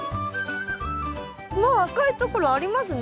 もう赤いところありますね。